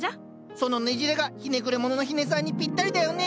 そのねじれがひねくれ者の日根さんにピッタリだよね。